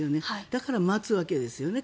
だから待つわけですよね。